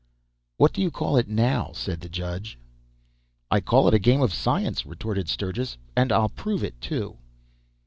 "What do you call it now?" said the judge. "I call it a game of science!" retorted Sturgis; "and I'll prove it, too!"